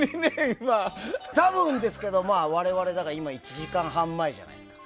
多分ですけど我々は今１時間半前じゃないですか。